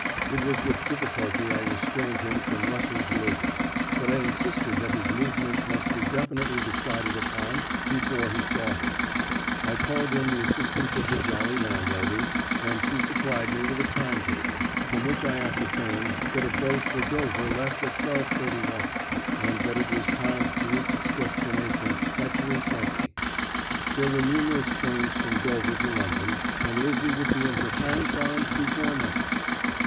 It was with difficulty I restrained him from rushing to Lizzie, but I insisted that his movements must be definitely decided upon before he saw her. I called in the assistance of the jolly landlady, and she supplied me with a time table, from which I ascertained that a boat for Dover left at 12.31, and that it was timed to reach its destination at 3.20. There were numerous trains from Dover to London, and Lizzie would be in her parents' arms before night.